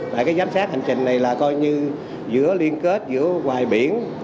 tại cái giám sát hành trình này là coi như giữa liên kết giữa ngoài biển